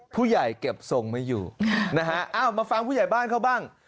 ผู้ใหญ่เก็บทรงไม่อยู่นะฮะอ้าวมาฟังผู้ใหญ่บ้านเขาบ้าง